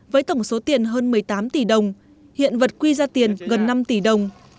với tổng số tiền hơn một mươi tám tỷ đồng hiện vật quy ra tiền gần năm tỷ đồng